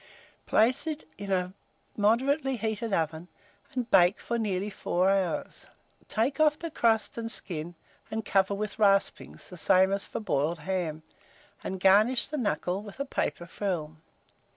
Place it in a moderately heated oven, and bake for nearly 4 hours. Take off the crust, and skin, and cover with raspings, the same as for boiled ham, and garnish the knuckle with a paper frill.